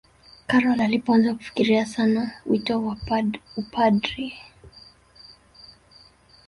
karol alipoanza kufikiria sana wito wa upadri